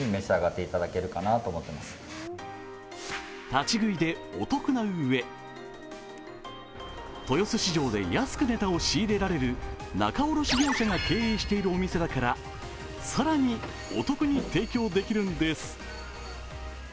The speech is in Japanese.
立ち食いでお得なうえ豊洲市場で安くネタを仕入れられる仲卸業者が経営しているお店だから更にお得に提供できるんです。